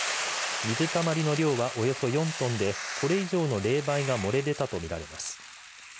水たまりの量はおよそ４トンでこれ以上の冷媒が漏れ出たとみられます。